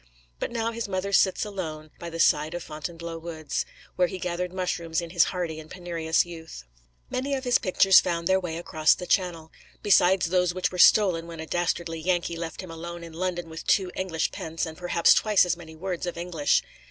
But now his mother sits alone by the side of Fontainebleau woods, where he gathered mushrooms in his hardy and penurious youth. Many of his pictures found their way across the Channel: besides those which were stolen, when a dastardly Yankee left him alone in London with two English pence, and perhaps twice as many words of English.